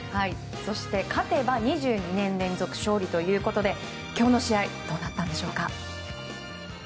そして勝てば２２年連続勝利ということで今日の試合どうなったんでしょうか。